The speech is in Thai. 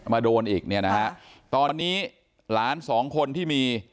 มาโดนอีกตอนนี้หลาน๒คนที่มี